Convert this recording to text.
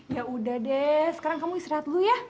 ya udah deh sekarang kamu istirahat dulu ya